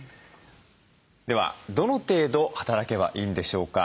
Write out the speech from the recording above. ではどの程度働けばいいんでしょうか。